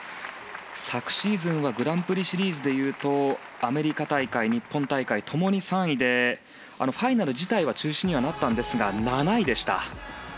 昨シーズンはグランプリシリーズでいうとアメリカ大会日本大会共に３位でファイナル自体は中止にはなったんですが７位でした。